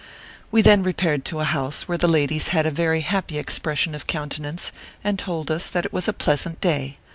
We then repaired to a house where the ladies had a very happy expression of countenance, and told us that it was a pleasant day.